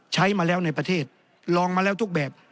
ใช้มาแล้วในประเทศลองมาแล้วทุกแบบ